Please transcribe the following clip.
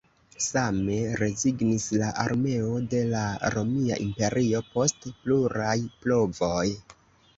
Same rezignis la armeo de la Romia Imperio post pluraj provoj.